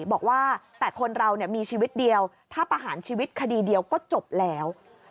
บอกว่าแต่คนเรามีชีวิตเดียวถ้าประหารชีวิตคดีเดียวก็จบแล้ว